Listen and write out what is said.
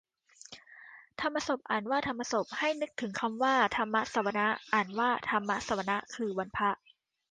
ธรรมสพน์ อ่านว่าทำมะสบ ให้นึกถึงคำว่า ธรรมสวนะ อ่านว่าทำมะสะวะนะ คือวันพระ